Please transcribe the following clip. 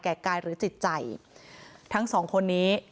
กายหรือจิตใจทั้งสองคนนี้